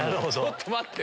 ちょっと待って！